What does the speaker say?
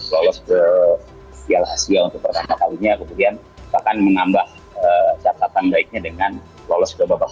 lolos ke sial asia untuk pertama kalinya kemudian bahkan mengambah catatan gaibnya dengan lolos ke babakar